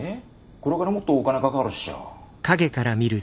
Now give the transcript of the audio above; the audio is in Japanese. これからもっとお金かかるっしょ。